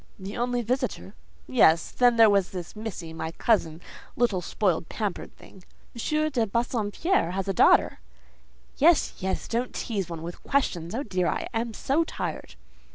"The only visitor? Yes; then there was missy, my cousin: little spoiled, pampered thing." "M. de Bassompierre has a daughter?" "Yes, yes: don't tease one with questions. Oh, dear! I am so tired."